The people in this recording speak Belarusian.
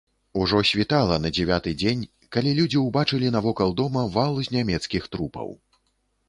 Ужо світала на дзевяты дзень, калі людзі ўбачылі навокал дома вал з нямецкіх трупаў.